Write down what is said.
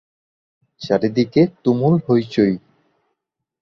চারিদিকে তুমুল হৈ-চৈ।